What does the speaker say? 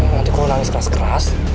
nanti gue nangis keras keras